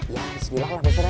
ya bismillah lah besernya